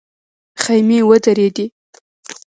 خيمې ودرېدې.